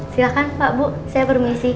silahkan pak bu saya permisi